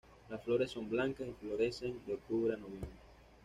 Las flores son blancas y florecen de octubre a noviembre.